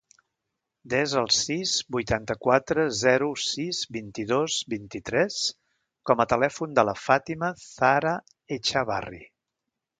Desa el sis, vuitanta-quatre, zero, sis, vint-i-dos, vint-i-tres com a telèfon de la Fàtima zahra Echavarri.